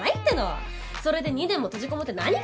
それで２年も閉じこもって何がしたいわけ？